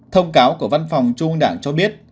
thông cáo của văn phòng trung ương đảng cho biết